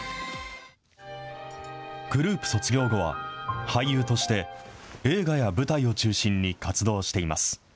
グループ卒業後は、俳優として、映画や舞台を中心に活動しています。